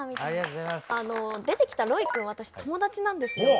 出てきたロイ君私友達なんですよ。